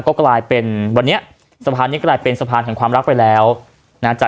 ก็กลายเป็นวันนี้สะพานนี้กลายเป็นสะพานแห่งความรักไปแล้วนะจาก